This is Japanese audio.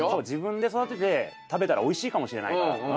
自分で育てて食べたらおいしいかもしれないから。